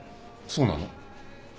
そうなの？